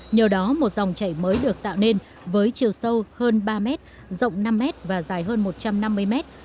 nhờ đó một dòng chảy mới được tạo nên với chiều sâu hơn ba mét rộng năm mét và dài hơn một trăm năm mươi mét